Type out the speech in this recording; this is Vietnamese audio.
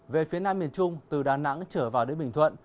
về phía nam miền trung từ đà nẵng trở vào đến bình thuận